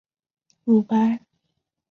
乳白黄耆为豆科黄芪属的植物。